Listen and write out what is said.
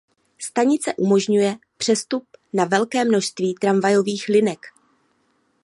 Stanice umožňuje přestup na velké množství tramvajových linek.